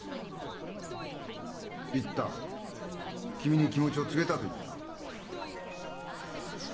君に気持ちを告げたと言った。